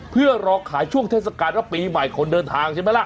เพื่อรอขายช่วงเทศกาลว่าปีใหม่คนเดินทางใช่ไหมล่ะ